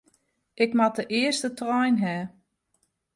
Ik moat de earste trein ha.